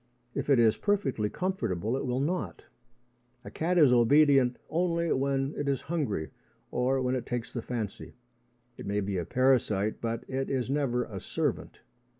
If it is perfectly comfortable, it will not. A cat is obedient only when it is hungry or when it takes the fancy. It may be a parasite, but it is never a servant.